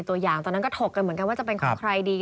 ตัวอย่างตอนนั้นก็ถกกันเหมือนกันว่าจะเป็นของใครดี